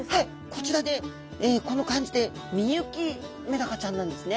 こちらでこの漢字で幹之メダカちゃんなんですね。